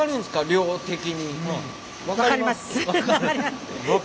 量的に。